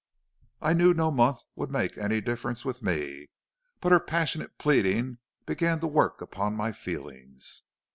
"I knew no month would make any difference with me, but her passionate pleading began to work upon my feelings.